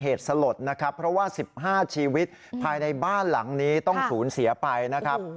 เหตุสลดนะครับเพราะว่า๑๕ชีวิตภายในบ้านหลังนี้ต้องศูนย์เสียไปนะครับ